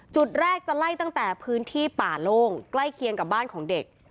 จุดแรกจะไล่ตั้งแต่พื้นที่ป่าโล่งใกล้เคียงกับบ้านของเด็ก